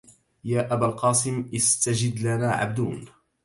يا أبا القاسم إستجد لنا عبدون